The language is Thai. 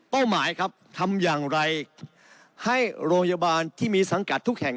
หมายครับทำอย่างไรให้โรงพยาบาลที่มีสังกัดทุกแห่ง